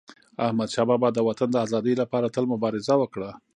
احمدشاه بابا د وطن د ازادی لپاره تل مبارزه وکړه.